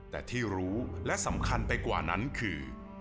แต่ที่รู้และสำคัญไปกว่านั้นคือ